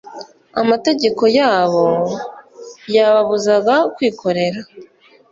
amategeko yabo yababuzaga kwikorera